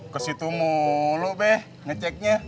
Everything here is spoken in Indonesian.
ke situ mulu beh ngeceknya